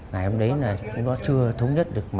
ngày hôm đấy chúng nó chưa thống nhất được